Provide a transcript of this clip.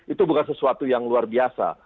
itu bukan sesuatu yang luar biasa